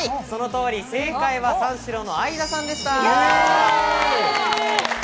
その通り、正解は三四郎の相田さんでした！